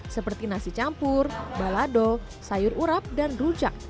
seperti nasi campur balado sayur urap dan rujak